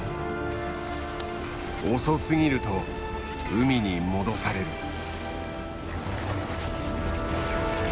遅すぎると海に戻される。